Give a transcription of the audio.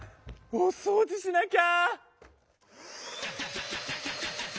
おそうじしなきゃ！